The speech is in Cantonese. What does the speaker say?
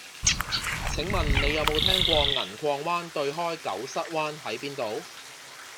請問你有無聽過銀礦灣對開狗虱灣喺邊度